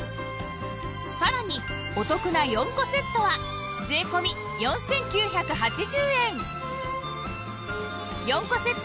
さらにお得な４個セットは税込４９８０円